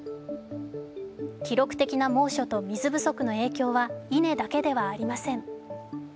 記録的な猛暑と水不足の影響は稲だけではありません。